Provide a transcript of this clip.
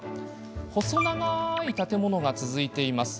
細長い建物が続いています。